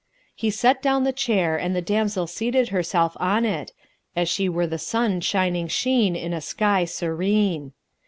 He set down the chair and the damsel seated herself on it, as she were the sun shining sheen in a sky serene.